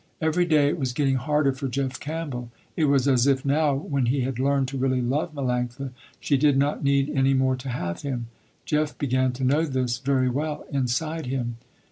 Every day it was getting harder for Jeff Campbell. It was as if now, when he had learned to really love Melanctha, she did not need any more to have him. Jeff began to know this very well inside him.